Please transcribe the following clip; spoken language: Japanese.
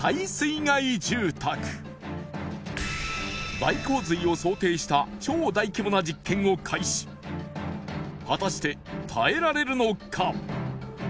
大洪水を想定した超大規模な実験を開始果たして耐えられるのか？